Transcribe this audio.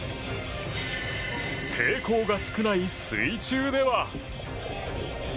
抵抗が少ない水中では。